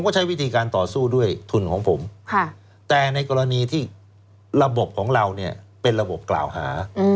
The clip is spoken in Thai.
ก็ใช้วิธีการต่อสู้ด้วยทุนของผมแต่ในกรณีที่ระบบของเราเนี่ยเป็นระบบกล่าวหา